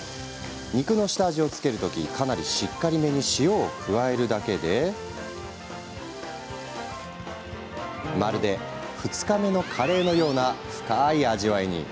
肉の下味を付ける時かなりしっかりめに塩を加えるだけでまるで２日目のカレーのような深い味わいに。